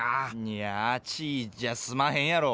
いや「あちい」じゃすまへんやろ！